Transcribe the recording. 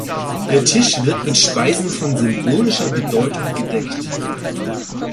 Der Tisch wird mit Speisen von symbolischer Bedeutung gedeckt.